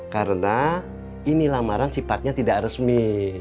karena ini lamaran sifatnya tidak resmi